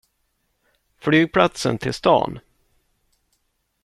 Flygplatsen till stan.